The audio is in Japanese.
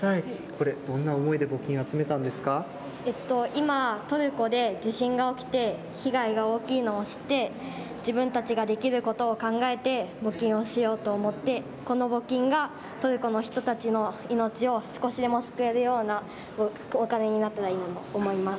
これ、どんな思いで募金を集めた今、トルコで地震が起きて、被害が大きいのを知って、自分たちができることを考えて募金をしようと思って、この募金がトルコの人たちの命を少しでも救えるようなお金になったらいいなと思います。